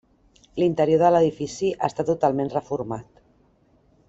L’interior de l’edifici està totalment reformat.